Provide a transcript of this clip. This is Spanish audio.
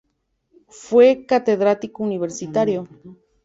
Fue catedrático universitario.